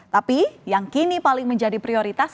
tapi yang kini paling menjadi prioritas